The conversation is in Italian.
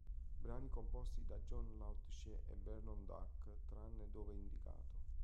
Brani composti da John Latouche e Vernon Duke, tranne dove indicato